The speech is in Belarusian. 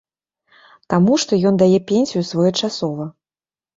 Таму, што ён дае пенсію своечасова.